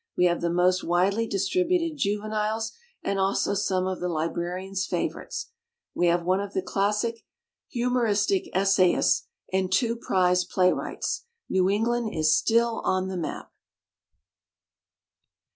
We have the most widely distributed "Juveniles" and also some of the librarian's favorites. We have one of the classic humoristic essayists, and two prize playwrights. New England is stiU on the map